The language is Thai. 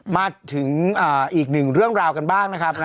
มาถึงอีกหนึ่งเรื่องราวกันบ้างนะครับ